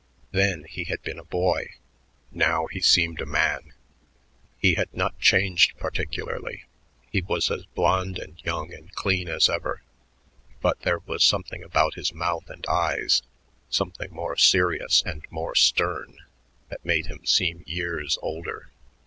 Then he had been a boy; now he seemed a man. He had not changed particularly; he was as blond and young and clean as ever, but there was something about his mouth and eyes, something more serious and more stern, that made him seem years older.